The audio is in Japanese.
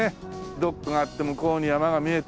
ドックがあって向こうに山が見えて。